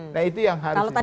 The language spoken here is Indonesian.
nah itu yang harus kita